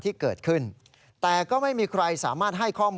ฟังเสียงคุณฟอร์กันนี่โมฮามัทอัตซันนะครับ